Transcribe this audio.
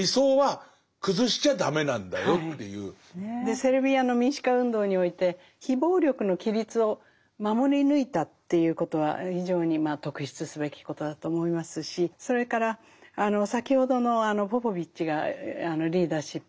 セルビアの民主化運動において非暴力の規律を守り抜いたということは非常に特筆すべきことだと思いますしそれからあの先ほどのポポヴィッチがリーダーシップを発揮してですね